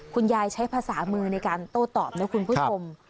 คุณยายใช้ภาษามือในการโต้ตอบนะคุณผู้ชม